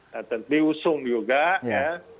tentu diusung juga ya